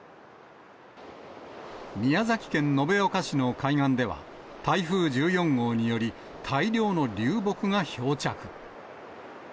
宮崎県延岡市の海岸では、台風１４号により、大量の流木が漂着。